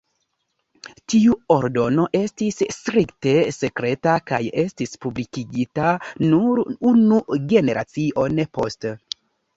Tiu ordono estis strikte sekreta kaj estis publikigita nur unu generacion poste.